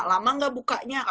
lama nggak bukanya